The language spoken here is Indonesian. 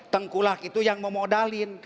tengkulak itu yang memodalin